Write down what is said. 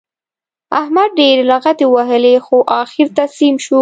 احمد ډېرې لغتې ووهلې؛ خو اخېر تسلیم شو.